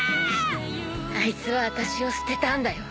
あいつはあたしを捨てたんだよ。